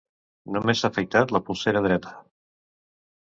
Només s'ha afaitat la polsera dreta.